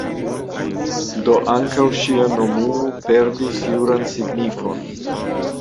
Do ankaŭ ŝia nomumo perdis juran signifon.